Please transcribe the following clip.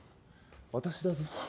私だぞ。